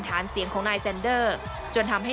ฐานเสียงของนายแซนเดอร์จนทำให้